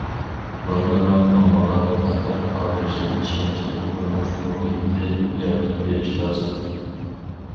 بالدۇرراق ئاممىغا بىخەتەر، خاتىرجەم، ئىشەنچلىك تۇرمۇش مۇھىتى يارىتىپ بېرىش لازىم.